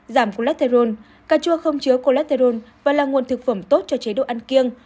giảm cô lét tê rôn cà chua không chứa cô lét tê rôn và là nguồn thực phẩm tốt cho chế độ ăn kiêng